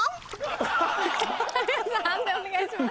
判定お願いします。